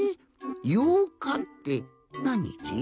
「ようか」ってなんにち？